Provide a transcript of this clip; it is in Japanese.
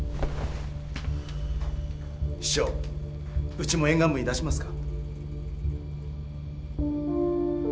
市長うちも沿岸部に出しますか？